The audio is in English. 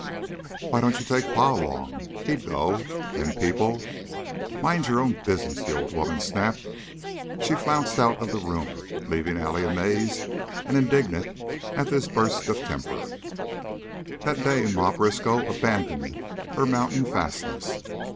"Why don't you take Pa along? He'd go, then people " "Mind your own business!" the old woman snapped. She flounced out of the room, leaving Allie amazed and indignant at this burst of temper. That day Ma Briskow abandoned her mountain fastness.